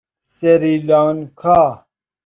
سری لانکا